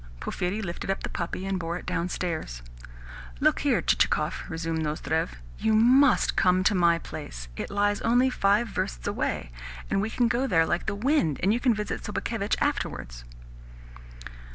Porphyri lifted up the puppy, and bore it downstairs. "Look here, Chichikov," resumed Nozdrev. "You MUST come to my place. It lies only five versts away, and we can go there like the wind, and you can visit Sobakevitch afterwards."